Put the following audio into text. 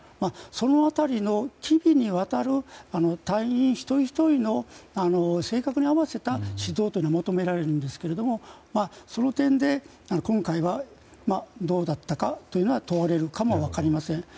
その辺りの、隊員一人ひとりの性格に合わせた指導が求められるんですがその点で今回はどうだったかというのは問われるかも分かりません。